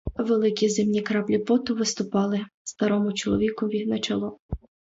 Великі зимні краплі поту виступили старому чоловікові на чоло.